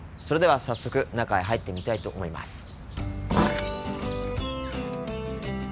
それでは早速中へ入ってみたいと思います。